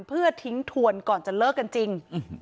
เพื่อทิ้งทวนก่อนจะเลิกกันจริง